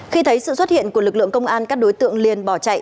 khi thấy sự xuất hiện của lực lượng công an các đối tượng liền bỏ chạy